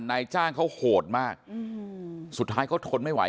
นายจ้างเขาโหดมากสุดท้ายเขาทนไม่ไหว